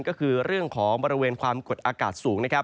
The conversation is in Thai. ก็คือเรื่องของบริเวณความกดอากาศสูงนะครับ